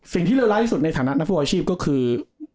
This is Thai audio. สิ่งที่เร้อร้ายที่สุดในฐานะรัฐฟิวอาชีพก็คือ